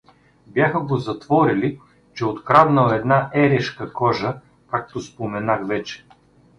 Бяха го затворили, че откраднал една ерешка кожа, както споменах вече.